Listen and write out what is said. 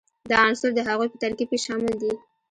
دا عنصر د هغوي په ترکیب کې شامل دي.